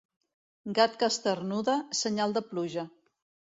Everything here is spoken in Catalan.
Gat que esternuda, senyal de pluja.